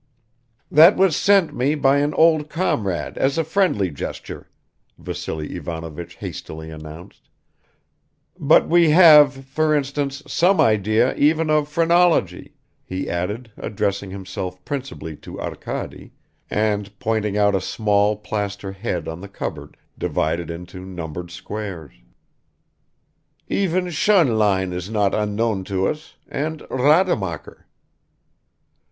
"That was sent me by an old comrade as a friendly gesture," Vassily Ivanovich hastily announced; "but we have, for instance, some idea even of phrenology," he added, addressing himself principally to Arkady, and pointing out a small plaster head on the cupboard, divided into numbered squares; "even Sch¨nlein is not unknown to us and Rademacher."